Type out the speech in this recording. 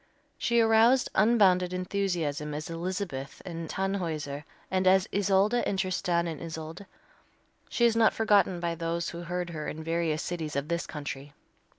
She aroused unbounded enthusiasm as Elizabeth in "Tannhäuser," and as Isolde in "Tristan and Isolde." She is not forgotten by those who heard her in various cities of this country.